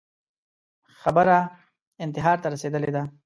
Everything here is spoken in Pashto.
خبره انتحار ته رسېدلې ده